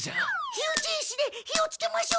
火打ち石で火をつけましょうか？